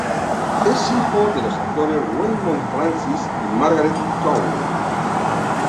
Es hijo de los actores Raymond Francis y Margaret Towner.